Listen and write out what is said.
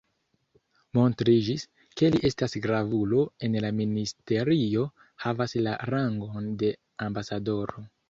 Montriĝis, ke li estas gravulo en la ministerio, havas la rangon de ambasadoro.